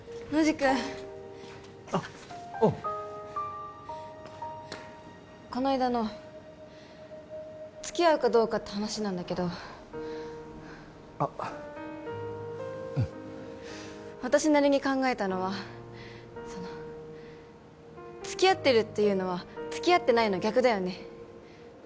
君あっおうこの間の付き合うかどうかって話なんだけどあっうん私なりに考えたのはその付き合ってるっていうのは付き合ってないの逆だよねえ